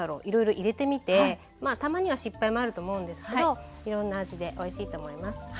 いろいろ入れてみてたまには失敗もあると思うんですけどいろんな味でおいしいと思います。